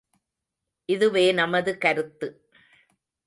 இதுவே நமது கருத்து.